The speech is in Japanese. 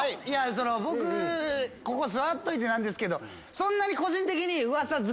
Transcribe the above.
僕ここ座っといて何ですけどそんなに個人的に。